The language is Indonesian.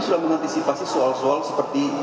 sudah mengantisipasi soal soal seperti